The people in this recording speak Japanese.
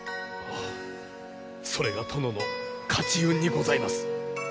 はっそれが殿の勝ち運にございます。